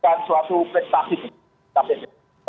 akan suatu prestasi untuk kppu